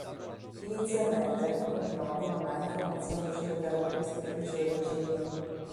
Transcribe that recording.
Inizialmente, ogni nodo non ha informazioni sulle caratteristiche dei suoi vicini.